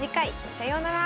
さようなら。